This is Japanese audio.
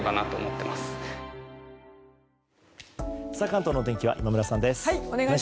関東のお天気は今村さんです。